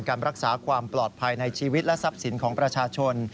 การรักษาความปลอดภัยในชีวิตและทรัพย์สินของประชาชน